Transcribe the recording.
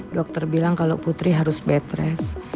dokter bilang kalo putri harus bed rest